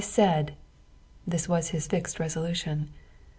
/ taid." Thb was his fixed reaolution.